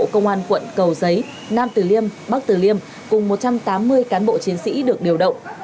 công an quận cầu giấy nam tử liêm bắc tử liêm cùng một trăm tám mươi cán bộ chiến sĩ được điều động